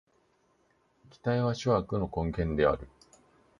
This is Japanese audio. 期待は諸悪の根源である。